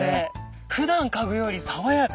普段嗅ぐより爽やか。